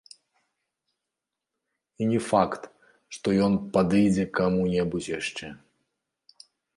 І не факт, што ён падыдзе каму-небудзь яшчэ.